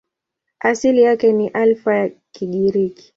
Asili yake ni Alfa ya Kigiriki.